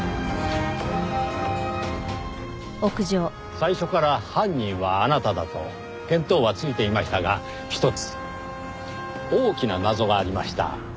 最初から犯人はあなただと見当はついていましたがひとつ大きな謎がありました。